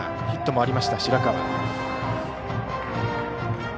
ヒットもありました、白川。